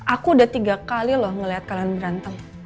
aku udah tiga kali loh ngeliat kalian berantem